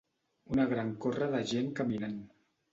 Una gran corra de gent caminant.